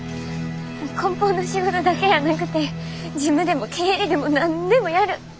こん包の仕事だけやなくて事務でも経理でも何でもやる。